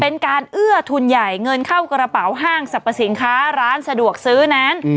เป็นการเอื้อทุนใหญ่เงินเข้ากระเป๋าห้างสรรพสินค้าร้านสะดวกซื้อนั้น